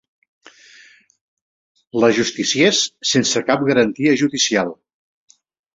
L'ajusticiés sense cap garantia judicial.